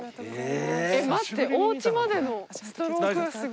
待っておうちまでのストロークがすごい。